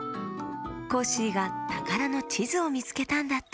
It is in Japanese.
コッシーがたからのちずをみつけたんだって！